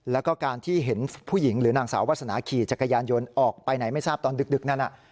แล้วก็การที่เห็นผู้หญิงหรือนางสาววาสนาขี่จักรยานยนต์ออกไปไหนไม่ทราบตอนดึกนั้น